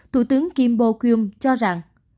thủ tướng kim bo kyum cho rằng